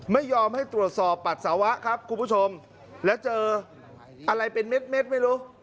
ไม่ยอมให้ตรวจสอบปัสสาวะครับคุณผู้ชมแล้วเจออะไรเป็นเม็ดไม่รู้